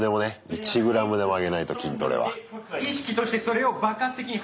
１ｇでも上げないと筋トレは。